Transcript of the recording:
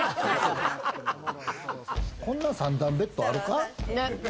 こんな３段ベッドあるか？